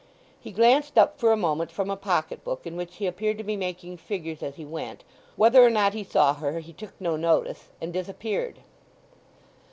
He glanced up for a moment from a pocket book in which he appeared to be making figures as he went; whether or not he saw her he took no notice, and disappeared.